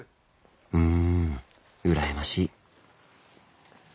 うん羨ましい。